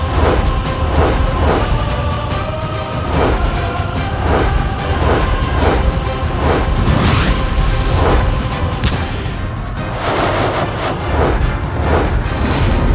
kau tidak akan mendapatkan apapun ditempat ini